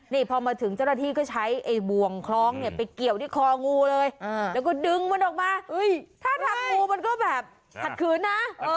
นี่พอมาถึงเจ้าหน้าที่ก็ใช้ไอ้บ่วงคล้องเนี่ยไปเกี่ยวที่คองูเลยแล้วก็ดึงมันออกมาถ้าทำงูมันก็แบบขัดขืนนะ